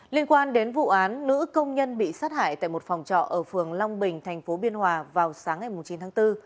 liên quan đến vụ án nữ công nhân bị sát hại tại một phòng trọ ở phường long bình tp biên hòa vào sáng ngày chín tháng bốn